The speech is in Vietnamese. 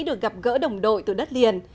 được gặp gỡ đồng đội từ đất liền